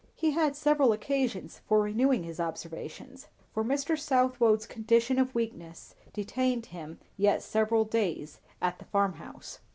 He had several occasions for renewing his observations; for Mr. Southwode's condition of weakness detained him yet several days at the farm house.